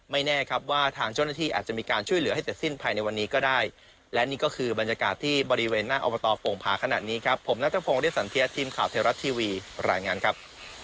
แน่ครับว่าทางเจ้าหน้าที่อาจจะมีการช่วยเหลือให้เสร็จสิ้นภายในวันนี้ก็ได้และนี่ก็คือบรรยากาศที่บริเวณหน้าอบตโป่งผาขนาดนี้ครับผมนัทพงศ์เรียสันเทียทีมข่าวไทยรัฐทีวีรายงานครับ